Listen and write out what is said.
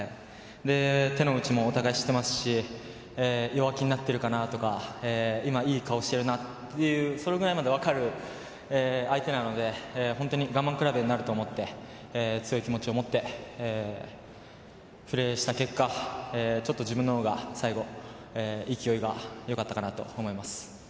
手の内もお互い知っていますし弱気になっているかなとか今、いい顔をしているなというそれくらいまで分かる相手なので本当に我慢比べになると思って強い気持ちをもってプレーした結果ちょっと自分の方が最後勢いがよかったかなと思います。